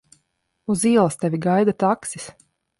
Uz ielas tevi gaida taksis.